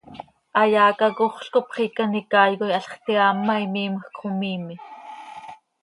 Hayaa cacoxl cop xiica an icaai coi halx teaam ma, imiimjc xo miime.